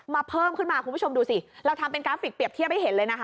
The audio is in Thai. เพิ่มขึ้นมาคุณผู้ชมดูสิเราทำเป็นกราฟิกเปรียบเทียบให้เห็นเลยนะคะ